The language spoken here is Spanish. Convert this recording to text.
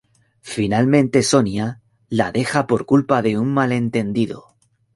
Finalmente Sonia la deja por culpa de un malentendido.